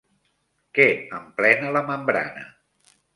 Què emplena la membrana?